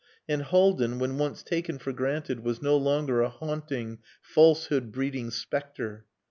And Haldin, when once taken for granted, was no longer a haunting, falsehood breeding spectre.